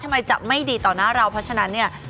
ทำไมจะไม่ดีต่อหน้าเราเพราะฉะนั้นเนี่ย